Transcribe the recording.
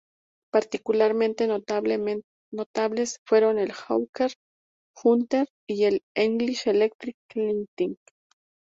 Particularmente notables fueron el Hawker Hunter y el English Electric Lightning.